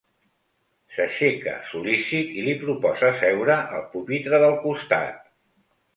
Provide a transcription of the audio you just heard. S'aixeca, sol.lícit, i li proposa seure al pupitre del costat.